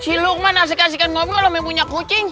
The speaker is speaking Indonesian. si lukman asal kasih mobil kalau punya kucing